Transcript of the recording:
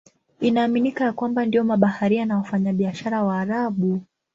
Inaaminika ya kwamba ndio mabaharia na wafanyabiashara Waarabu.